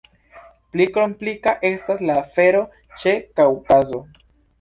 Pli komplika estas la afero ĉe Kaŭkazo.